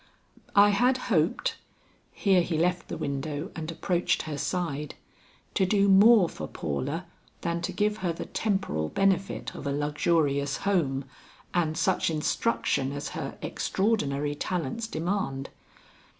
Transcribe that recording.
I had hoped " here he left the window and approached her side, "to do more for Paula than to give her the temporal benefit of a luxurious home and such instruction as her extraordinary talents demand.